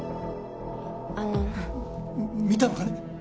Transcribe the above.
あの見たのかね？